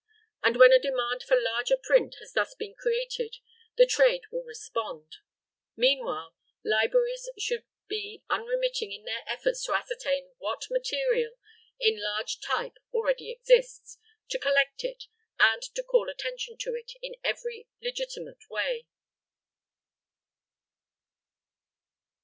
And when a demand for larger print has thus been created the trade will respond. Meanwhile, libraries should be unremitting in their efforts to ascertain what material in large type already exists, to collect it, and to call attention to it in every legitimate way.